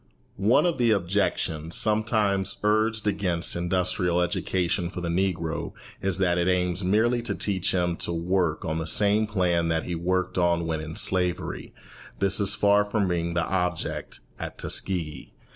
One of the objections sometimes urged against industrial education for the Negro is that it aims merely to teach him to work on the same plan that he worked on when in slavery. This is far from being the object at Tuskegee.